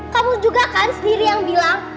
kamu juga kan sendiri yang bilang